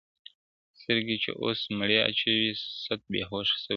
سترگي چي اوس مړې اچوي ست بې هوښه سوی دی,